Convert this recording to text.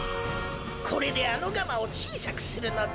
これであのガマをちいさくするのだ。